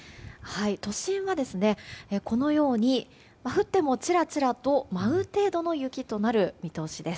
都心はこのように降ってもちらちらと舞う程度の雪となる見通しです。